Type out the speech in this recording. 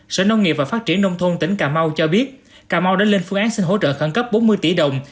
sở nông nghiệp và phát triển nông thôn tỉnh cà mau cho biết cà mau đã lên phương án xin hỗ trợ khẩn cấp bốn mươi tỷ đồng